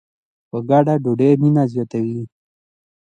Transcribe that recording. په ګډه ډوډۍ خوړل مینه زیاتوي.